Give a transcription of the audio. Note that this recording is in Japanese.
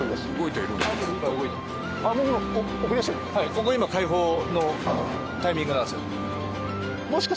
ここ今開放のタイミングなんですよ。